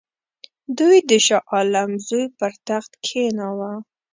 دوی د شاه عالم زوی پر تخت کښېناوه.